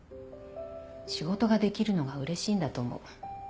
仕事ができるのがうれしいんだと思う。